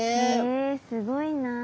へえすごいなあ。